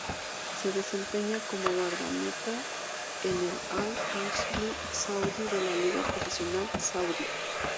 Se desempeña como guardameta en el Al-Ahli Saudi de la Liga Profesional Saudí.